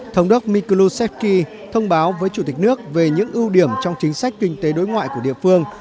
thống đốc mikel thông báo với chủ tịch nước về những ưu điểm trong chính sách kinh tế đối ngoại của địa phương